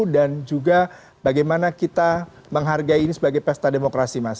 dan juga bagaimana kita menghargai ini sebagai pesta demokrasi mas